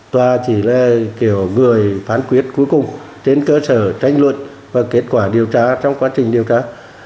tòa chỉ là kiểu người phán quyết cuối cùng trên cơ sở tranh luận và kết quả điều tra trong quá trình điều tra